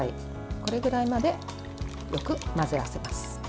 これぐらいまでよく混ぜ合わせます。